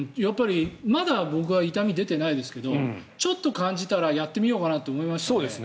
まだ僕は痛みは出てないですけどちょっと感じたらやってみようかなって思いましたね。